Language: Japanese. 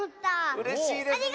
うれしいですね。